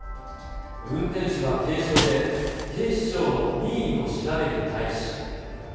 運転手は軽傷で、警視庁の任意の調べに対し。